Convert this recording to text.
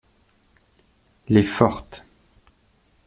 Les fortes.